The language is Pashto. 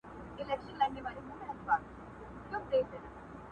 شپې دي روڼي ورځي تیري په ژړا سي؛